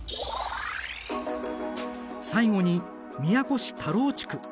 最後に宮古市田老地区。